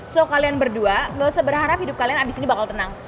so kalian berdua gak usah berharap hidup kalian abis ini bakal tenang